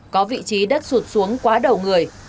có vị trí đất sụt xuống quá đầu người